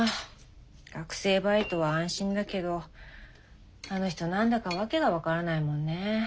学生バイトは安心だけどあの人何だか訳が分からないもんね。